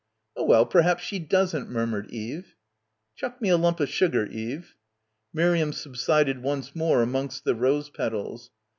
"Oh, well, perhaps she doesn't," murmured Eve. "Chuck me a lump of sugar, Eve." Miriam subsided once more amongst the rose petals.